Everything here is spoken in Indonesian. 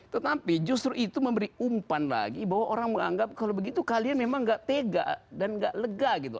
tetapi justru itu memberi umpan lagi bahwa orang menganggap kalau begitu kalian memang gak tega dan gak lega gitu